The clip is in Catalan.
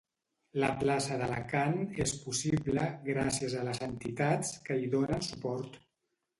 La Plaça d’Alacant és possible gràcies a les entitats que hi donen suport.